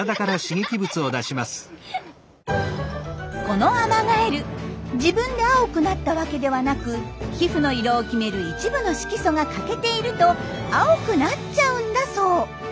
このアマガエル自分で青くなったわけではなく皮膚の色を決める一部の色素が欠けていると青くなっちゃうんだそう。